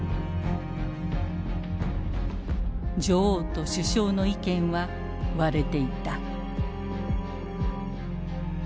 女王と首相の意見は割れていた。